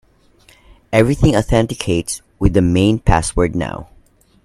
Everything authenticates with the main password now.